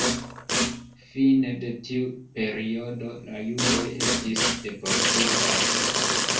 Fine de tiu periodo la judoj estis deportitaj.